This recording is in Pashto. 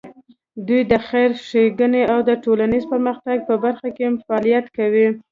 دوی د خیر ښېګڼې او د ټولنیز پرمختګ په برخه کې فعالیت کوي.